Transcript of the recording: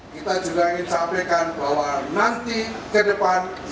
kita juga ingin sampaikan bahwa nanti ke depan